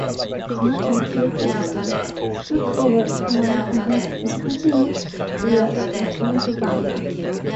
The merchant Pieter Pietersen took over command and continued the voyage, returning to Banda.